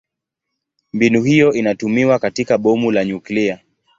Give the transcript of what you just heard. Mbinu hiyo inatumiwa katika bomu la nyuklia.